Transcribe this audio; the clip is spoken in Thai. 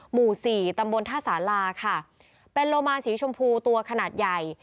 หมู่สี่ตำบลท่าสาราค่ะเป็นโลมาสีชมพูตัวขนาดใหญ่